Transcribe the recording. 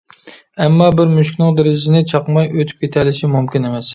ئەمما بىر مۈشۈكنىڭ دېرىزىنى چاقماي ئۆتۈپ كېتەلىشى مۇمكىن ئەمەس.